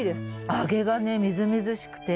揚げがねみずみずしくて。